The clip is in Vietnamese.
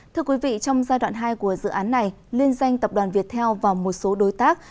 thưa quý vị trong giai đoạn hai của dự án này liên danh tập đoàn việt theo và một số đối tác